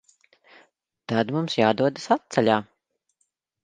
Tad mums jādodas atceļā.